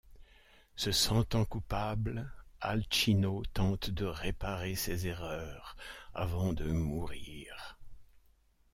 Se sentant coupable, Alcino tente de réparer ses erreurs avant de mourir.